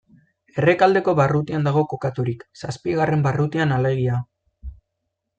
Errekaldeko barrutian dago kokaturik, zazpigarren barrutian alegia.